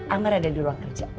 amar ada di ruang kerja